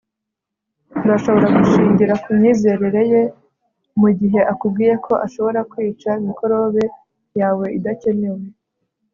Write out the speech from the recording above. urashobora gushingira kumyizerere ye mugihe akubwiye ko ashobora kwica mikorobe yawe idakenewe